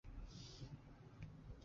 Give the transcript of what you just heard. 阮文清从小接受西方教育。